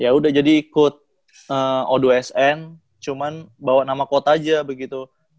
ya udah jadi ikut o dua sn cuma bawa nama kot aja begitu